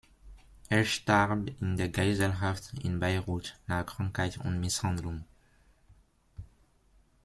Er starb in der Geiselhaft in Beirut nach Krankheit und Misshandlung.